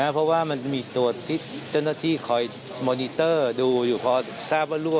เพราะว่ามันมีตัวที่เจ้าหน้าที่คอยมอนิเตอร์ดูอยู่พอทราบว่ารั่